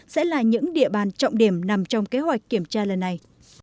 sẽ là những địa bàn trọng điểm nằm trong kế hoạch kiểm tra lần này